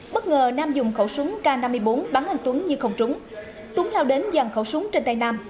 bất ngờ nam dùng khẩu súng k năm mươi bốn bắn anh tuấn nhưng không trúng tuấn lao đến dàn khẩu súng trên tay nam